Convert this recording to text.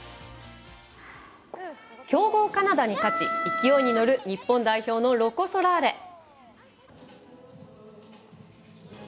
強豪カナダに勝ち勢いに乗る日本代表のロコ・ソラーレ。